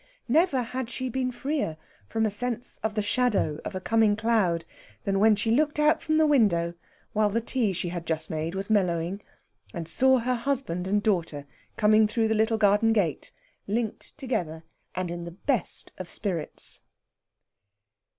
Never had she been freer from a sense of the shadow of a coming cloud than when she looked out from the window while the tea she had just made was mellowing, and saw her husband and daughter coming through the little garden gate, linked together and in the best of spirits.